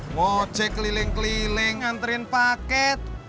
woj keling keliling nganterin paket